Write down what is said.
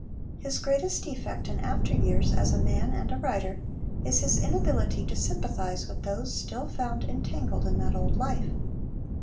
His greatest defect in after years, as a man and a writer, is his inability to sympathise with those still found entangled in that old life.